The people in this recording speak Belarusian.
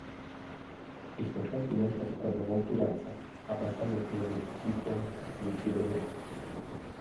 І спачатку ён паспрабаваў туляцца, а пасля як-небудзь ціхом прыйсці дадому.